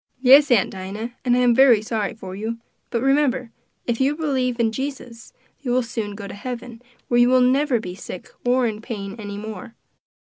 "Yes, Aunt Dinah, and I am very sorry for you; but remember, if you believe in Jesus, you will soon go to heaven, where you will never be sick or in pain any more.